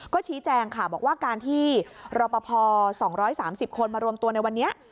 ก็ชี้แจงค่ะบอกว่าการที่รอปภ๒๓๐คนมารวมตัวในวันนี้